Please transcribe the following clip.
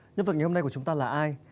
nhân vật ngày hôm nay của chúng ta là ai